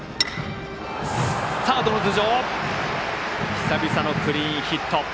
久々のクリーンヒット。